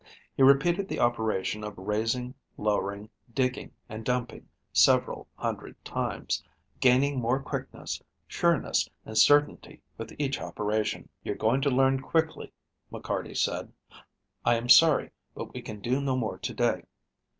He repeated the operation of raising, lowering, digging, and dumping several hundred times, gaining more quickness, sureness, and certainty with each operation. "You're going to learn quickly," McCarty said. "I am sorry, but we can do no more to day.